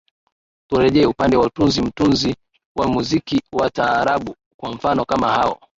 turejee upande wa utunzi mtunzi wa muziki wa taarabu kwa mfano kama hao